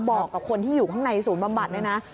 บอกกับคนที่อยู่ข้างในศูนย์บำบัดเนี่ยนะ